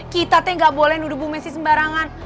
kita teh gak boleh nuduh bu messi sembarangan